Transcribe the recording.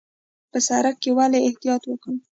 په سړک کې ولې احتیاط وکړو؟